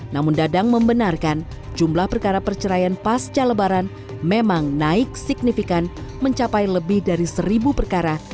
namun dadang membenarkan jumlah perkara perceraian pasca lebaran memang naik signifikan mencapai lebih dari seribu perkara